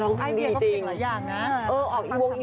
ออกวงก็ค่อยค่อยค่อยค่อยเรียนความอุนะคะ